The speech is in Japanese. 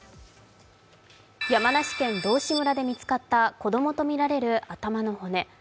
山梨県道志村で見つかった子供とみられる頭の骨。